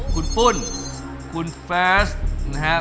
คุณฟุ่นคุณเฟอร์สนะฮะ